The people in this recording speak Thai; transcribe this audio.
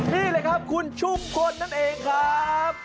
นี่เลยครับคุณชุมพลนั่นเองครับ